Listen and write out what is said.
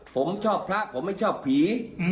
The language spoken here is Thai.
ผมชอบพระผมไม่ชอบผี